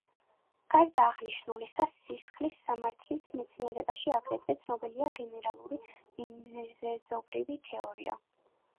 გარდა აღნიშნულისა სისხლის სამართლის მეცნიერებაში აგრეთვე ცნობილია გენერალური მიზეზობრიობის თეორია.